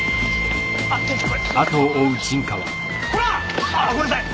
こら！あごめんなさい！